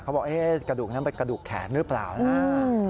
เขาบอกกระดูกนั้นเป็นกระดูกแขนหรือเปล่านะ